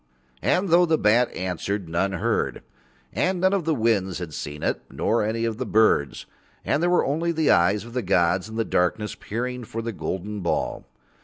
And though the bat answered none heard. And none of the winds had seen it nor any of the birds, and there were only the eyes of the gods in the darkness peering for the golden ball.